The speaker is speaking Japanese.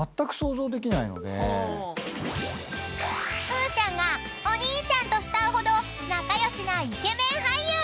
［ふーちゃんがお兄ちゃんと慕うほど仲良しなイケメン俳優］